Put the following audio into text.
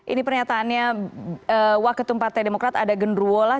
ini pernyataannya waketum partai demokrat ada genruwo lah